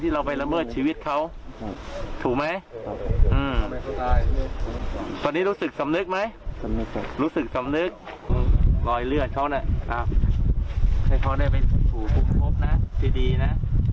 รอยเลือดเขานะให้เขาได้เป็นผู้ถูกครบนะดีนะ